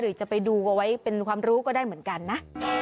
จะไปดูเอาไว้เป็นความรู้ก็ได้เหมือนกันนะ